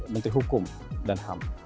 menteri hukum dan ham